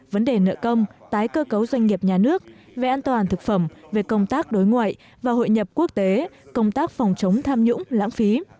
vấn đề nợ công tái cơ cấu doanh nghiệp nhà nước về an toàn thực phẩm về công tác đối ngoại và hội nhập quốc tế công tác phòng chống tham nhũng lãng phí